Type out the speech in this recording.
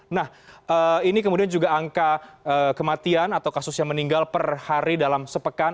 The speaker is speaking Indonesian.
nah ini kemudian juga angka kematian atau kasus yang meninggal per hari dalam sepekan